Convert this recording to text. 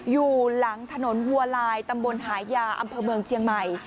อยู่หลังถนนวัวลายตำบลหายาอำเภอเมืองเชียงใหม่